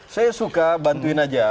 saya suka bantuin aja